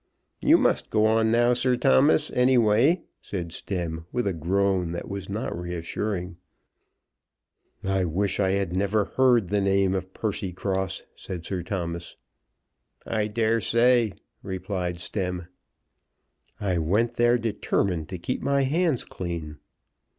"You must go on now, Sir Thomas, any way," said Stemm with a groan that was not reassuring. "I wish I had never heard the name of Percycross," said Sir Thomas. "I dare say," replied Stemm. "I went there determined to keep my hands clean."